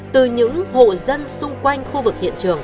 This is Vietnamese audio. từ những hộ dân xung quanh khu vực